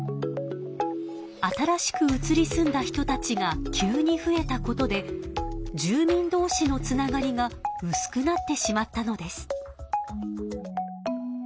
新しく移り住んだ人たちが急に増えたことで住人どうしのつながりがうすくなってしまったのです。